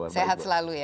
sehat selalu ya